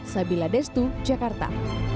sabila destu jakarta